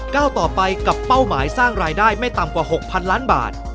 ก้าวต่อไปกับเป้าหมายสร้างรายได้ไม่ต่ำกว่า๖๐๐๐ล้านบาท